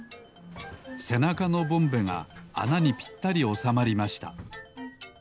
せなかのボンベがあなにぴったりおさまりました。